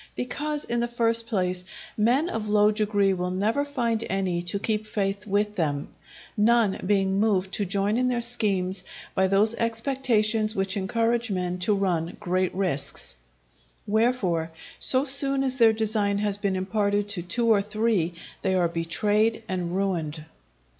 Because, in the first place, men of low degree will never find any to keep faith with them, none being moved to join in their schemes by those expectations which encourage men to run great risks; wherefore, so soon as their design has been imparted to two or three, they are betrayed and ruined.